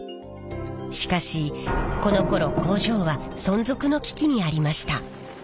しかしこのころ工場は存続の危機にありました。